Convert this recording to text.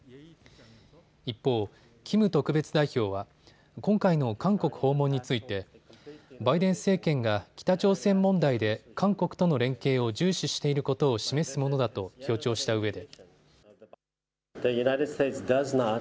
一方、キム特別代表は今回の韓国訪問についてバイデン政権が北朝鮮問題で韓国との連携を重視していることを示すものだと強調したうえで。